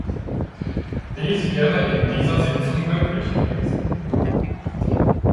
Dies wäre in dieser Sitzung möglich gewesen.